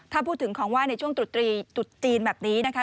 ถ้าพูดถึงของว่าในช่วงตรุษจีนแบบนี้นะคะ